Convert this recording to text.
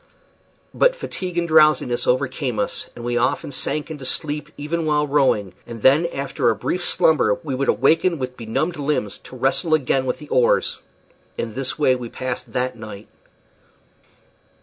But fatigue and drowsiness overcame us, and we often sank into sleep even while rowing; and then after a brief slumber we would awake with benumbed limbs to wrestle again with the oars. In this way we passed that night.